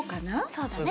そうだね。